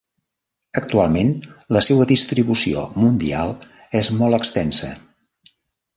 Actualment la seua distribució mundial és molt extensa.